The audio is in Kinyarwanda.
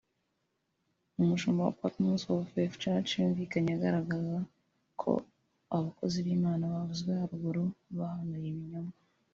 umushumba wa Patmos of Faith Church yumvikanye agaragaza ko aba bakozi b’Imana bavuzwe haruguru bahanuye ibinyoma